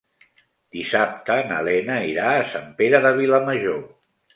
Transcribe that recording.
Dissabte na Lena irà a Sant Pere de Vilamajor.